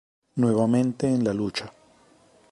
Nuevamente en la lucha.